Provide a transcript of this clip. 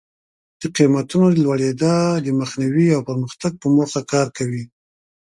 د قیمتونو د لوړېدا د مخنیوي او پرمختګ په موخه کار کوي.